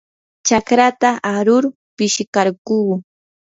chakrata arur pishikarquu.